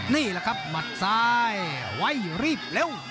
นี่แหละครับหมัดซ้ายไว้รีบเร็ว